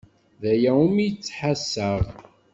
D aya umi ttḥassaɣ.